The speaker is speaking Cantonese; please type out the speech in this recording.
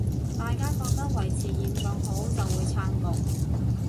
大家覺得維持現狀好，就會撐共